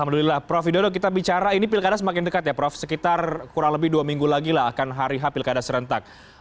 alhamdulillah prof widodo kita bicara ini pilkada semakin dekat ya prof sekitar kurang lebih dua minggu lagi lah akan hari h pilkada serentak